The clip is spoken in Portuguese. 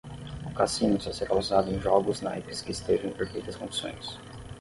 O cassino só será usado em jogos naipes que estejam em perfeitas condições.